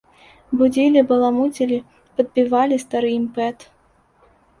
Будзілі, баламуцілі, падбівалі стары імпэт.